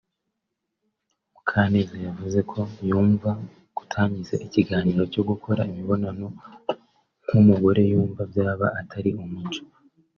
Mukaneza yavuze ko yumva gutangiza ikiganiro cyo gukora imibonano nk’umugore yumva byaba atari umuco